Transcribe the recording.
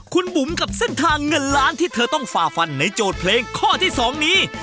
คุณบุ๋มกับเส้นทางเงินล้านที่เธอต้องฝ่าฟันในโจทย์เพลงข้อที่๒นี้